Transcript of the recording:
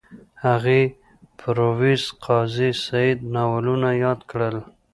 هغې د پرویز قاضي سعید ناولونه یاد کړل